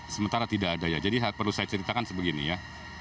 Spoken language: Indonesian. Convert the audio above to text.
sementara tidak ada ya jadi perlu saya ceritakan sebegini ya